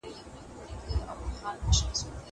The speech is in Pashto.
کېدای سي کتابتوني کار ستونزي ولري!!